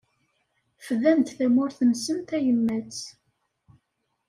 Fdan-d tamurt-nsen tayemmat.